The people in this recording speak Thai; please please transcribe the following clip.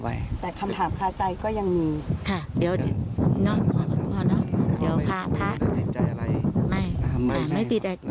ไม่ไม่ติดใจอะไร